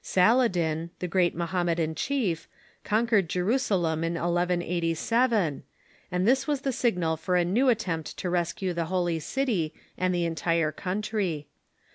Saladin, the great Mohammedan chief, conquered Jerusalem in 1187, and this w^as the signal for a new attempt to rescue the Holy City and the entire country.